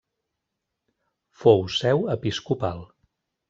Fou seu episcopal.